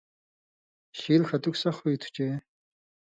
شیل ݜتُک سخ ہُوئ تُھو چے